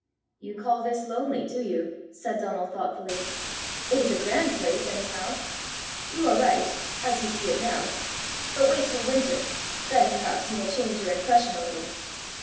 "You call this lonely, do you!" said Donal thoughtfully. " It is a grand place, anyhow!" "You are right as you see it now. But wait till winter! Then perhaps you will change your impression a little."